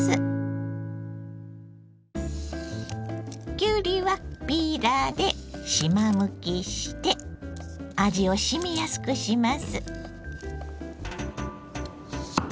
きゅうりはピーラーでしまむきして味をしみやすくします。